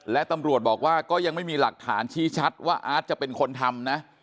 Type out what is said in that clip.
และตำรวจบอกว่าก็ยังไม่มีหลักฐานชี้ชัดว่าอาร์ตจะเป็นคนทำนะ